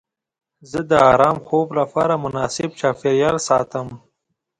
زه د ارام خوب لپاره مناسب چاپیریال ساتم.